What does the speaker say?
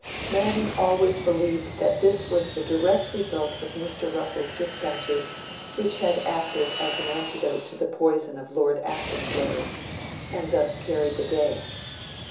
Manning always believed that this was the direct result of Mr. Russell's dispatches, which had acted as an antidote to the poison of Lord Acton's letters, and thus carried the day.